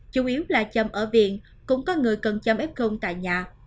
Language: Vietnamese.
chăm ở viện cũng có người cần chăm f tại nhà